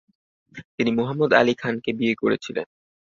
তিনি মোহাম্মদ আলী খানকে বিয়ে করেছিলেন।